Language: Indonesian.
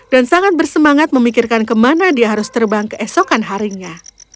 dan sangat bersemangat memikirkan kemana dia harus terbang keesokan harinya